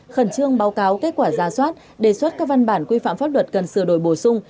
khẩn trương báo cáo kết quả ra soát đề xuất các văn bản quy phạm pháp luật cần sửa đổi bổ sung